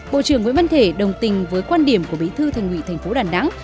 bộ trưởng nguyễn văn thể đồng tình với quan điểm của bí thư thành ủy tp đà nẵng